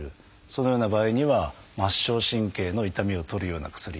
そのような場合には末梢神経の痛みを取るような薬。